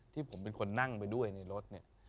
ที่ผมเป็นคนนั่งไปด้วยในรถเนี่ย